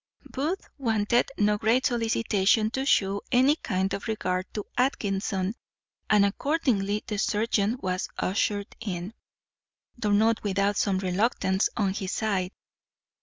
Booth wanted no great solicitation to shew any kind of regard to Atkinson; and, accordingly, the serjeant was ushered in, though not without some reluctance on his side.